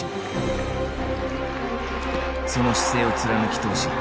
その姿勢を貫き通し